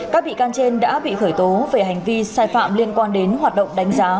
các bị can trên đã bị khởi tố về hành vi sai phạm liên quan đến hoạt động đánh giá